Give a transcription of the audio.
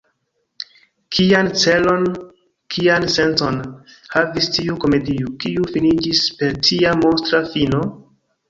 Kian celon, kian sencon havis tiu komedio, kiu finiĝis per tia monstra fino?